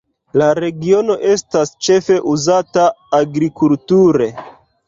La regiono estas ĉefe uzata agrikulture.